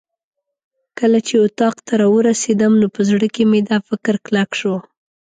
کله چې اتاق ته راورسېدم نو په زړه کې مې دا فکر کلک شو.